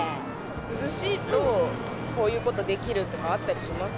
涼しいと、こういうことできるとかあったりします？